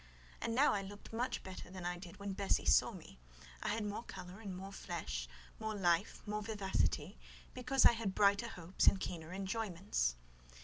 And now I looked much better than I did when Bessie saw me; I had more colour and more flesh, more life, more vivacity, because I had brighter hopes and keener enjoyments.